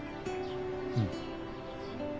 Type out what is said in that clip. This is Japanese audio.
うん。